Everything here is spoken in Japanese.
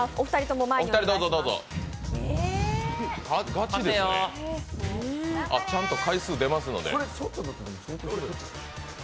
ガチですね、ちゃんと回数出ますので。